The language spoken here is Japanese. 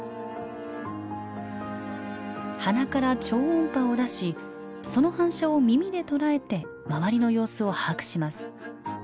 鼻から超音波を出しその反射を耳で捉えて周りの様子を把握します。